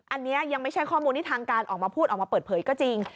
อันนี้ยังไม่ใช่ข้อมูลที่ทางการออกมาพูดออกมาเปิดเผยก็จริง